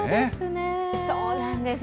そうなんです。